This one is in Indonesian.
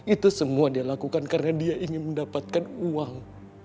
itu semua dia lakukan karena dia ingin mendapatkan uang